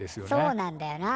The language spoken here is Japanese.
そうなんだよな。